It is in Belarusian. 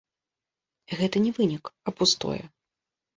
Гэта не вынік, а пустое.